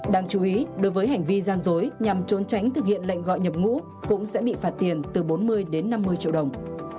đáng chú ý đối với hành vi gian dối nhằm trốn tránh thực hiện lệnh gọi nhập ngũ cũng sẽ bị phạt tiền từ bốn mươi đến năm mươi triệu đồng